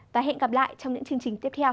và hẹn gặp lại trong những chương trình tiếp theo